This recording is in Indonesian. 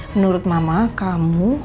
menurut mama kamu